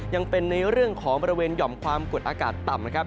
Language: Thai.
ยังเป็นในเรื่องของบริเวณหย่อมความกดอากาศต่ำนะครับ